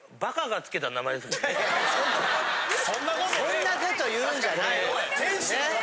そんな事言うんじゃないの！